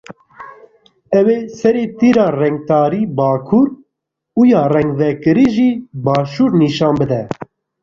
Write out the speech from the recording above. Ew ê serê tîra rengtarî bakur û ya rengvekirî jî başûr nîşan bide.